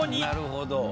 なるほど。